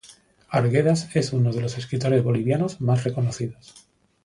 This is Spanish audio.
Arguedas es uno de los escritores bolivianos más reconocidos.